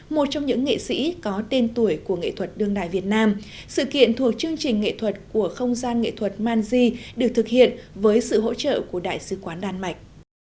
một trong những nghệ sĩ có tên tuổi của nghệ thuật đương đài việt nam sự kiện thuộc chương trình nghệ thuật của không gian nghệ thuật manji được thực hiện với sự hỗ trợ của đại sứ quán đan mạch